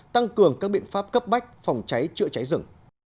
tăng cường các biện pháp cấp bách phòng cháy chữa cháy rừng